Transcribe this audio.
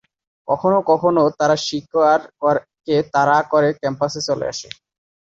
কখনও কখনও তারা শিকার কে তাড়া করে ক্যাম্পাসে চলে আসে।